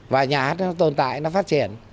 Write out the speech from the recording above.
và nhà hát nó tồn tại nó phát triển